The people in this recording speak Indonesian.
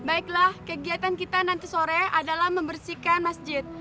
baiklah kegiatan kita nanti sore adalah membersihkan masjid